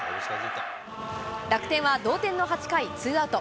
楽天は同点の８回、ツーアウト。